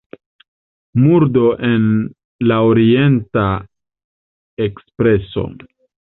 Murdo en la Orienta Ekspreso.